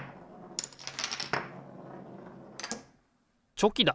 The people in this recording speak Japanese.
チョキだ！